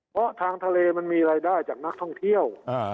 เพราะทางทะเลมันมีรายได้จากนักท่องเที่ยว